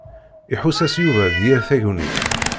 Iḥuss-as Yuba d yir tagnit.